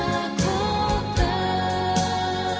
aku mau terima dengan cinta